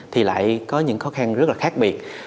thì lại có những khó khăn rất là khác biệt